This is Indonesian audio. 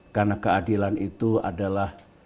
karena keadilan itu adalah